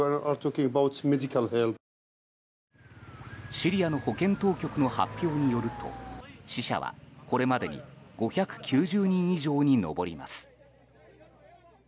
シリアの保健当局の発表によると死者はこれまでに５９０人以上に上ります。